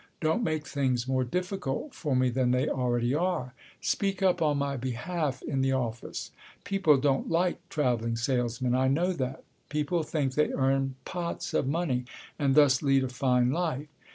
Don't make things more difficult for me than they already are. Speak up on my behalf in the office! People don't like travelling salesmen. I know that. People think they earn pots of money and thus lead a fine life.